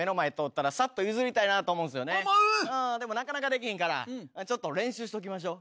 でもなかなかできひんからちょっと練習しときましょ。